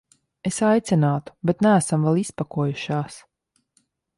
Es aicinātu, bet neesam vēl izpakojušās.